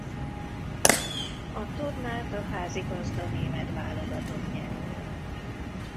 A tornát a házigazda német válogatott nyerte.